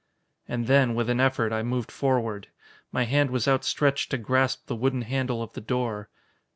And then, with an effort, I moved forward. My hand was outstretched to grasp the wooden handle of the door.